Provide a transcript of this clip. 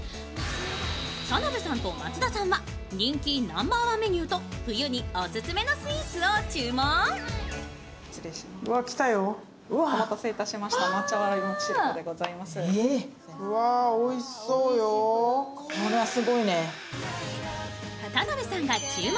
田辺さんと松田さんは人気ナンバーワンメニューと冬にオススメのスイーツを注文。